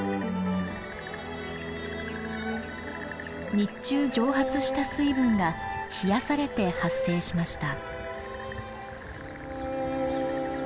日中蒸発した水分が冷やされて発生しました。